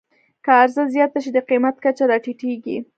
که عرضه زیاته شي، د قیمت کچه راټیټېږي.